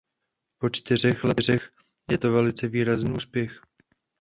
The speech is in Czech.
Po čtyřech letech je to velice výrazný úspěch.